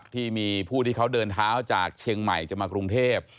ที่มีผู้ที่เขาเดินเท้าจากเชียงใหม่จะมากรุงเทพ